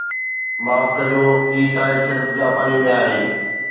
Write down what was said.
معاف ڪجو هي سائيٽ صرف جاپاني ۾ آهي